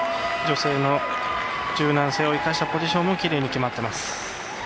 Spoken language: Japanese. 女性の柔軟性を生かしたポジションもきれいに決まってます。